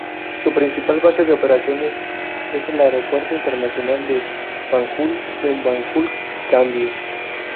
Su principal base de operaciones es el Aeropuerto Internacional de Banjul en Banjul, Gambia.